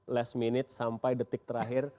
iya ingatlah last minute sampai detik terakhir